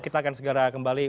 kita akan segera kembali